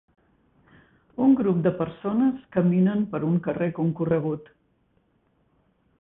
Un grup de persones caminen per un carrer concorregut.